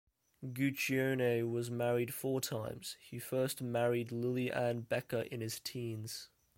Guccione was married four times: he first married Lilyanne Becker in his teens.